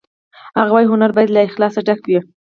هغه وایی هنر باید له اخلاصه ډک وي